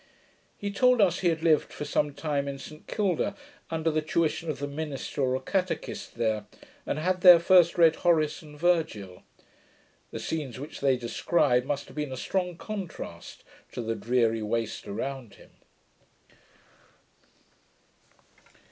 He told us, he had lived for some time in St Kilda, under the tuition of the minister or catechist there, and had there first read Horace and Virgil. The scenes which they describe must have been a strong contrast to the dreary waste around him.